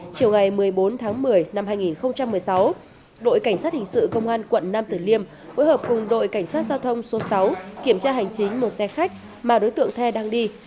chiều ngày một mươi bốn tháng một mươi năm hai nghìn một mươi sáu đội cảnh sát hình sự công an quận nam tử liêm hối hợp cùng đội cảnh sát giao thông số sáu kiểm tra hành chính một xe khách mà đối tượng the đang đi